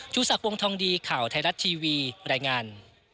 สักวงทองดีข่าวไทยรัฐทีวีรายงาน